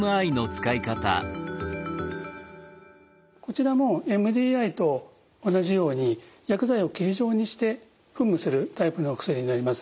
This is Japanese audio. こちらもＭＤＩと同じように薬剤を霧状にして噴霧するタイプのお薬になります。